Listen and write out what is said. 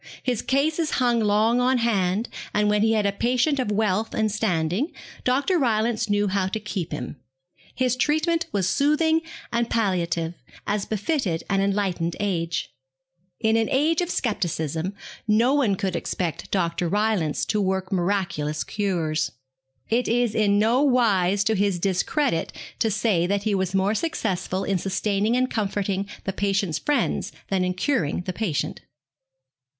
His cases hung long on hand, and when he had a patient of wealth and standing Dr. Rylance knew how to keep him. His treatment was soothing and palliative, as befitted an enlightened age. In an age of scepticism no one could expect Dr. Rylance to work miraculous cures. It is in no wise to his discredit to say that he was more successful in sustaining and comforting the patient's friends than in curing the patient.